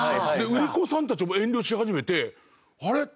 売り子さんたちも遠慮し始めてあれ？